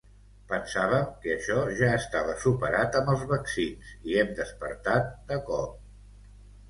Pensàvem que això ja estava superat amb els vaccins i hem despertat de cop.